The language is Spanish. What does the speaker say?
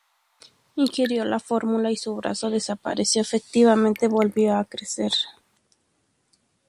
Ingirió la fórmula y su brazo desaparecido efectivamente volvió a crecer.